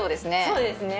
そうですね。